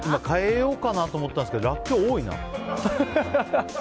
変えようかなと思ったんですけどラッキョウが多いな。